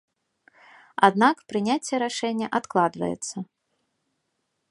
Аднак прыняцце рашэння адкладваецца.